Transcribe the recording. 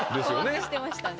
困惑してましたね。